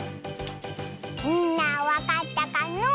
みんなはわかったかのう？